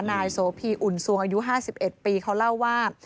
นายโสพีอุ่นสวงอายุ๕๑ปีเขาเล่าว่า